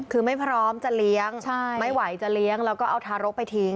คือไม่พร้อมจะเลี้ยงไม่ไหวจะเลี้ยงแล้วก็เอาทารกไปทิ้ง